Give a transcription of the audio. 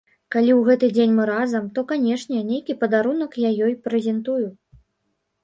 Калі ў гэты дзень мы разам, то, канешне, нейкі падарунак я ёй прэзентую.